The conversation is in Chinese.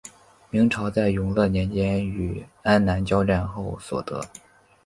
明朝在永乐年间与安南交战后所得。